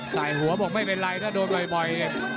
ใส่หัวบอกไม่เป็นไรแต่ว่าโดงบ่อย